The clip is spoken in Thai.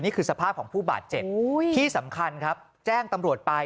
สภาพของผู้บาดเจ็บที่สำคัญครับแจ้งตำรวจไป